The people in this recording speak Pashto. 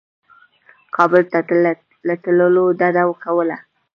کابل ته له تللو ډده کوله.